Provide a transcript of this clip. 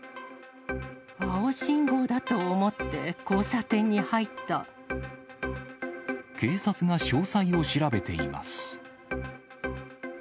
青信号だと思って交差点に入警察が詳細を調べています。